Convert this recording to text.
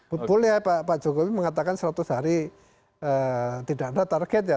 betul ya pak jokowi mengatakan seratus hari tidak ada target ya